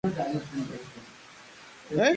Su capital es la ciudad de Přerov.